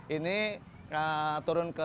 ini turun ke